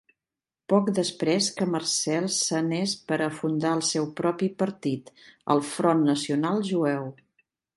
Poc després que Marzel s'anés per a fundar el seu propi partit, el Front Nacional Jueu.